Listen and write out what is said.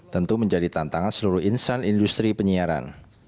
tentu menjadi tantangan seluruh insan industri penyiaran